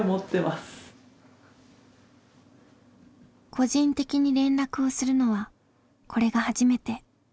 個人的に連絡をするのはこれが初めて。